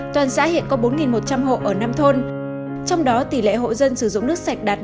toàn xã hiện có bốn một trăm linh hộ ở năm thôn trong đó tỷ lệ hộ dân sử dụng nước sạch đạt một trăm linh